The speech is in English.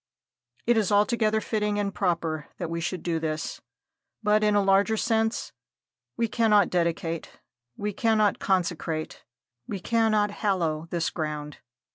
It is altogether fitting and proper that we should do this. But, in a larger sense, we cannot dedicate we cannot consecrate we cannot hallow this ground.